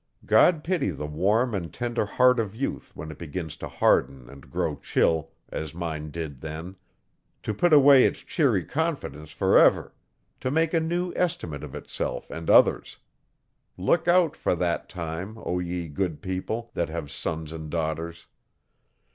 God pity the warm and tender heart of youth when it begins to harden and grow chill, as mine did then; to put away its cheery confidence forever; to make a new estimate of itself and others. Look out for that time, O ye good people! that have sons and daughters.